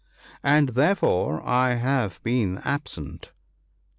" And therefore I have been absent."